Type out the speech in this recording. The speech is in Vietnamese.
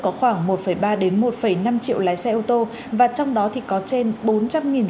có khoảng một ba một năm triệu lái xe ô tô và trong đó thì có trên